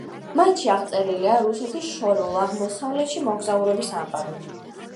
მათში აღწერილია რუსეთის შორეულ აღმოსავლეთში მოგზაურობის ამბავი.